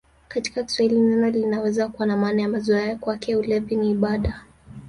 Katika Kiswahili neno linaweza kuwa na maana ya mazoea: "Kwake ulevi ni ibada".